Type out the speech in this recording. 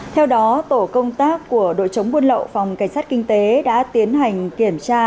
theo đó tổ công tác của đội chống buôn lậu phòng cảnh sát kinh tế đã tiến hành kiểm tra